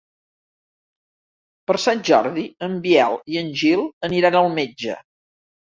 Per Sant Jordi en Biel i en Gil aniran al metge.